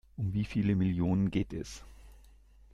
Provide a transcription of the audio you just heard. Um wie viele Millionen geht es?